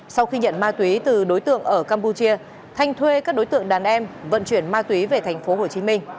sau khi nhận ma túy từ đối tượng ở campuchia thanh thuê các đối tượng đàn em vận chuyển ma túy về tp hcm